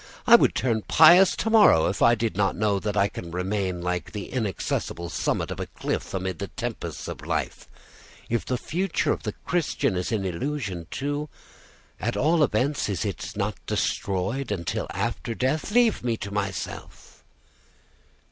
I would turn pious to morrow if I did not know that I can remain like the inaccessible summit of a cliff amid the tempests of life. If the future of the Christian is an illusion too, at all events it is not destroyed until after death. Leave me to myself."